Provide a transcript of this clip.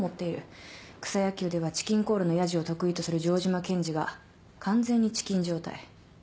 草野球ではチキンコールのやじを得意とする城島検事が完全にチキン状態。